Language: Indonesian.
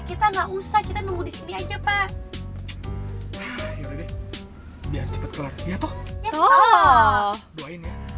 kita enggak usah kita nunggu di sini aja pak